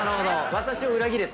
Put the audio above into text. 私を裏切れと。